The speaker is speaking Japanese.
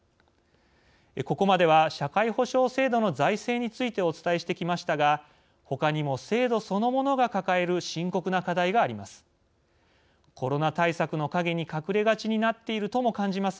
ここまでは社会保障制度の財政についてお伝えしてきましたがほかにも制度そのものが抱える深刻な課題があります。